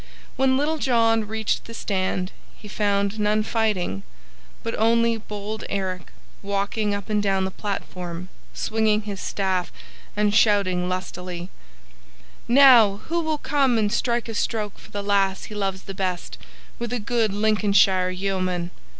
When Little John reached the stand he found none fighting, but only bold Eric walking up and down the platform, swinging his staff and shouting lustily, "Now, who will come and strike a stroke for the lass he loves the best, with a good Lincolnshire yeoman?